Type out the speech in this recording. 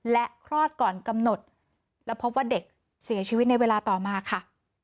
และคลอดก่อนกำหนดและพบว่าเด็กเสียชีวิตในเวลาต่อมาค่ะ